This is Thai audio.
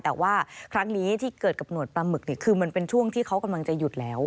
แต่ว่าครั้งนี้ที่เกิดกับหวดปลาหมึกคือมันเป็นช่วงที่เขากำลังจะหยุดแล้ว